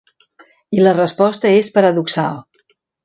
I la resposta és paradoxal.